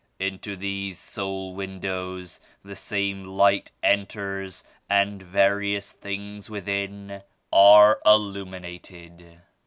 Into these soul windows the same Light enters and various things within are illuminated.